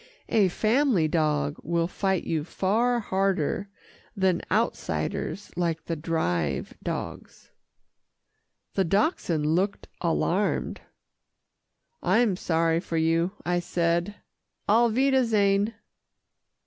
A family dog will fight you far harder than outsiders like the Drive dogs." The Dachshund looked alarmed. "I'm sorry for you," I said, "auf wiedersehen."